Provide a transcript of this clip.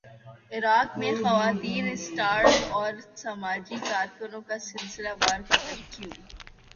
عراق میں خواتین اسٹارز اور سماجی کارکنوں کا سلسلہ وار قتل کیوں